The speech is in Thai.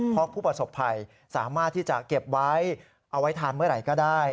เพราะผู้ประสบภัยสามารถที่จะเก็บไว้เอาไว้ทานเมื่อไหร่ก็ได้